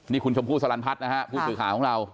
นี่คุณชมภูสรรพัฒน์นะครับผู้สื่อขาของเรา